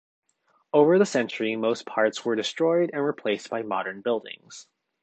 Over the century most parts were destroyed and replaced by modern buildings.